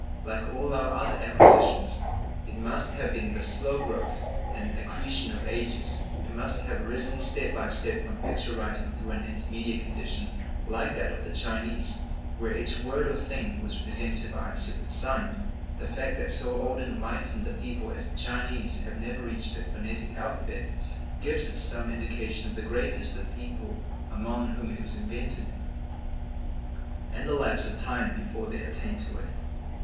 Like all our other acquisitions, it must have been the slow growth and accretion of ages; it must have risen step by step from picture writing through an intermediate condition like that of the Chinese, where each word or thing was represented by a separate sign. The fact that so old and enlightened a people as the Chinese have never reached a phonetic alphabet, gives us some indication of the greatness of the people among whom it was invented, and the lapse of time before they attained to it.